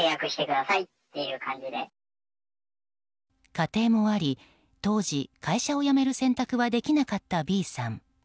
家庭もありこの当時、会社を辞める選択はできなかったＢさん。